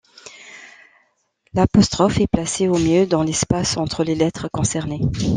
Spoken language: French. L'apostrophe est placée, au mieux, dans l'espace entre les lettres concernées.